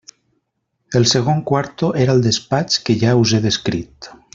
El segon quarto era el despatx que ja us he descrit.